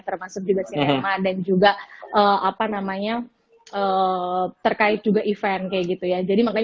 termasuk juga sinema dan juga apa namanya terkait juga event kayak gitu ya